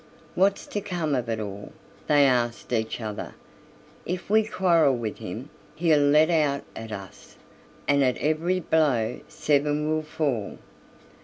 "What's to come of it all?" they asked each other; "if we quarrel with him, he'll let out at us, and at every blow seven will fall.